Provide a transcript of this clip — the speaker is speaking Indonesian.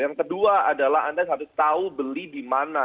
yang kedua adalah anda harus tahu beli di mana